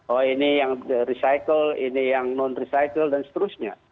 oh ini yang recycle ini yang non recycle dan seterusnya